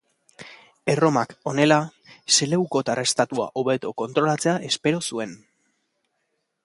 Erromak, honela, seleukotar estatua hobeto kontrolatzea espero zuen.